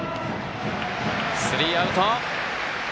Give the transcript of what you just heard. スリーアウト。